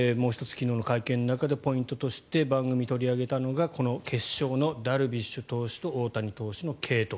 昨日の会見の中でポイントとして番組が取り上げたのが、決勝のダルビッシュ投手と大谷投手の継投。